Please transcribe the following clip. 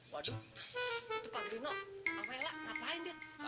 waduh itu pak brino sama ella ngapain dia